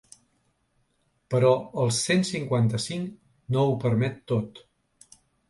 Però el cent cinquanta-cinc no ho permet tot.